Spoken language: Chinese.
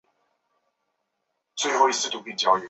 部分学生身上被安装了无线标签来监控他们的行动。